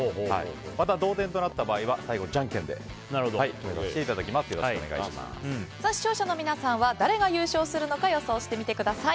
また、同点となった場合は最後じゃんけんで視聴者の皆さんは誰が優勝するのか予想してみてください。